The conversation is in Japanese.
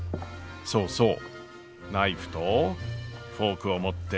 そうそうナイフとフォークを持って。